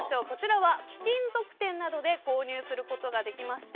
こちらは貴金属店などで購入することができます。